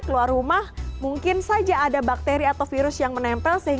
keluar rumah mungkin saja ada bakteri atau virus yang menempel